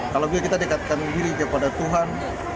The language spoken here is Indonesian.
kalau bisa kita dekatkan diri kepada tuhan